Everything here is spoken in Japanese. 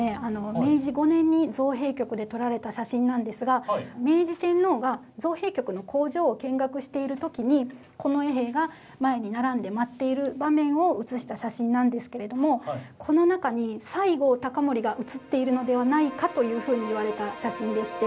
明治５年に造幣局で撮られた写真なんですが明治天皇が造幣局の工場を見学している時に近衛兵が前に並んで待っている場面を写した写真なんですけれどもというふうにいわれた写真でして。